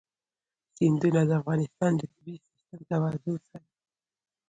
سیندونه د افغانستان د طبعي سیسټم توازن ساتي.